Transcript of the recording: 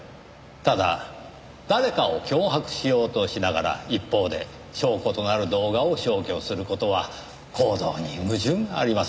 ただ誰かを脅迫しようとしながら一方で証拠となる動画を消去する事は行動に矛盾があります。